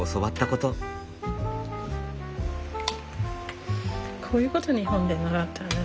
こういうこと日本で習ったよね。